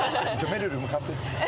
「めるるです」って。